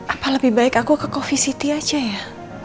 apa lebih baik aku ke coffee city aja ya